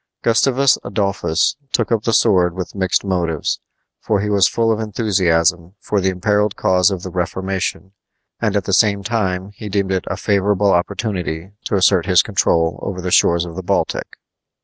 Gustavus Adolphus took up the sword with mixed motives, for he was full of enthusiasm for the imperiled cause of the Reformation, and at the same time he deemed it a favorable opportunity to assert his control over the shores of the Baltic.